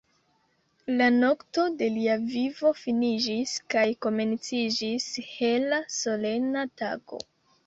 La nokto de lia vivo finiĝis, kaj komenciĝis hela, solena tago.